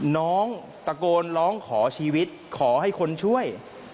น้องตะโกนร้องขอชีวิตขอให้คนช่วย